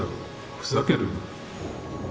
ふざけるな！